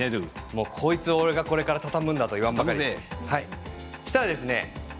こいつを俺がこれから畳むんだと言わんばかりに。